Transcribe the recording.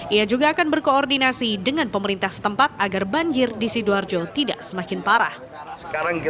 ia juga akan berkoordinasi dengan pemerintah setempat agar banjir di sidoarjo tidak semakin parah